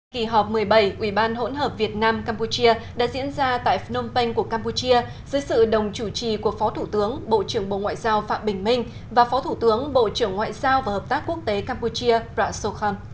kỳ họp một mươi bảy ủy ban hỗn hợp việt nam campuchia đã diễn ra tại phnom penh của campuchia dưới sự đồng chủ trì của phó thủ tướng bộ trưởng bộ ngoại giao phạm bình minh và phó thủ tướng bộ trưởng ngoại giao và hợp tác quốc tế campuchia prasokhan